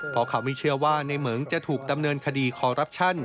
เพราะเขาไม่เชื่อว่าในเหมืองจะถูกดำเนินคดีคอรัปชั่น